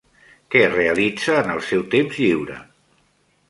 Què realitza en el seu temps lliure?